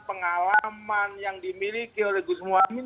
pengalaman yang dimiliki oleh gus muhaymin